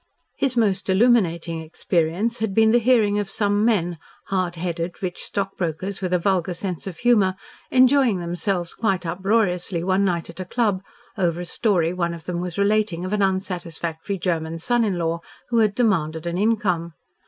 His most illuminating experience had been the hearing of some men, hard headed, rich stockbrokers with a vulgar sense of humour, enjoying themselves quite uproariously one night at a club, over a story one of them was relating of an unsatisfactory German son in law who had demanded an income.